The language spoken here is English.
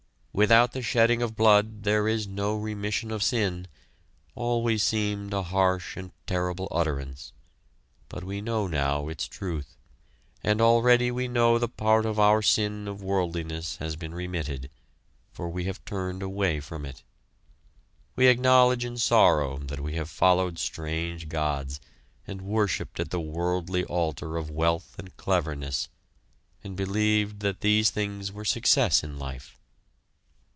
"Without the shedding of blood, there is no remission of sin" always seemed a harsh and terrible utterance, but we know now its truth; and already we know the part of our sin of worldliness has been remitted, for we have turned away from it. We acknowledge in sorrow that we have followed strange gods, and worshiped at the worldly altar of wealth and cleverness, and believed that these things were success in life.